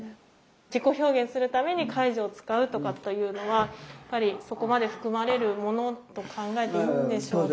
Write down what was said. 自己表現するために介助を使うとかというのはやっぱりそこまで含まれるものと考えていいんでしょうか。